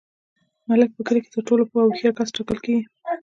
ملک په کلي کي تر ټولو پوه او هوښیار کس ټاکل کیږي.